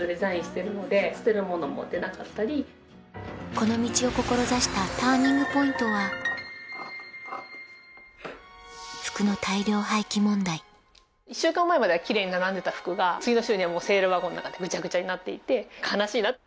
この道を志したＴＵＲＮＩＮＧＰＯＩＮＴは１週間前まではキレイに並んでた服が次の週にはセールワゴンの中でぐちゃぐちゃになっていて悲しいな。